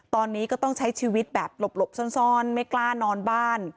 ตอนนี้ก็ต้องใช้ชีวิตแบบหลบซ่อนไม่กล้านอนบ้าน